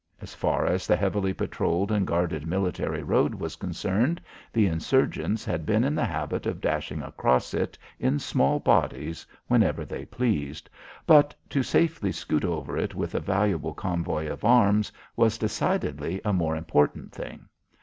As far as the heavily patrolled and guarded military road was concerned, the insurgents had been in the habit of dashing across it in small bodies whenever they pleased, but to safely scoot over it with a valuable convoy of arms, was decidedly a more important thing.